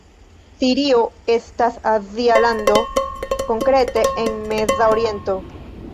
Sirio estas azia lando, konkrete en Meza Oriento.